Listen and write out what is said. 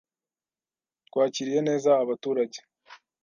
Twakiriye neza abaturage.